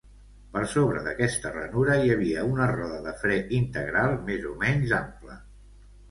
Per sobre d'aquesta ranura hi havia una roda de fre integral més o menys ampla.